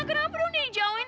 kenapa lo udah nih dijauhin